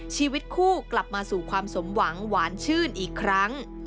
ชีวิตคู่กลับมาสู่ความสมหวังหวานชื่นอีกครั้ง